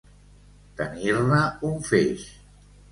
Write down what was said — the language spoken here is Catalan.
Tenir-ne un feix.